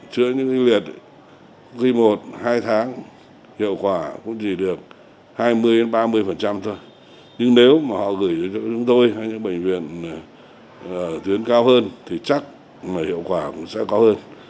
chúng tôi hay những bệnh viện tuyến cao hơn thì chắc mà hiệu quả cũng sẽ cao hơn